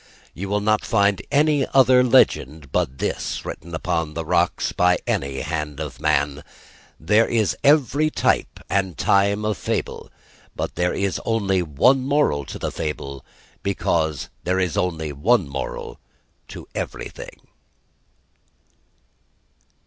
You will not find any other legend but this written upon the rocks by any hand of man. There is every type and time of fable: but there is only one moral to the fable; because there is only one moral to everything_.